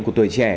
của tuổi trẻ